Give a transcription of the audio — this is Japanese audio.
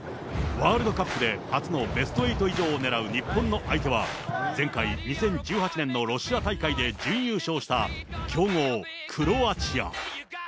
ワールドカップで初のベスト８以上を狙う日本の相手は、前回２０１８年のロシア大会で準優勝した、強豪、クロアチア。